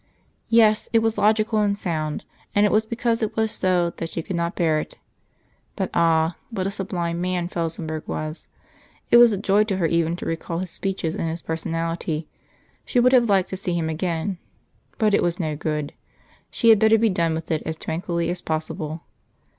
Yes, it was logical and sound. And it was because it was so that she could not bear it.... But ah! what a sublime man Felsenburgh was; it was a joy to her even to recall his speeches and his personality. She would have liked to see him again. But it was no good. She had better be done with it as tranquilly as possible.